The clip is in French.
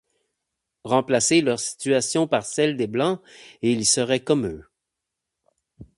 Remplacez leur situation par celle des blancs et ils seraient comme eux.